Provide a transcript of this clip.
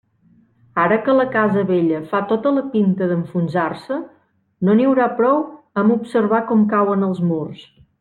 Ara que la casa vella fa tota la pinta d'enfonsar-se, no n'hi haurà prou amb observar com cauen els murs.